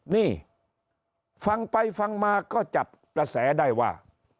นี่ฟังไปฟังมาก็จับกระแสได้ว่า